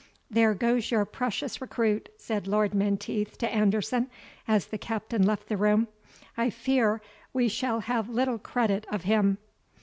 "There goes your precious recruit," said Lord Menteith to Anderson, as the Captain left the room; "I fear we shall have little credit of him."